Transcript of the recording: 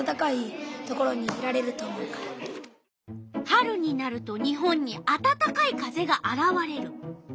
春になると日本にあたたかい風があらわれる。